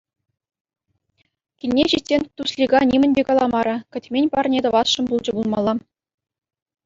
Килне ҫитсен Туслика нимӗн те каламарӗ — кӗтмен парне тӑвасшӑн пулчӗ пулмалла.